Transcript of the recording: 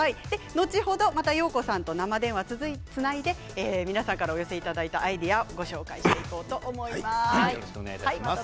後ほど、よーこさんと生電話をつないで皆さんからお寄せいただいたアイデアをご紹介していこうと思います。